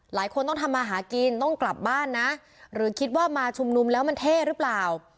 หลายคนต้องทำมาหากินต้องกลับบ้านนะหรือคิดว่ามาชุมนุมแล้วมันเท่หรือเปล่า